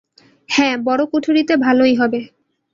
হ্যাঁ, বড় কুঠুরিতে ভালোই হবে।